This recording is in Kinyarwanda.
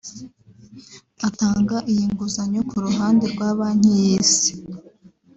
Atanga iyi nguzanyo ku ruhande rwa Banki y’isi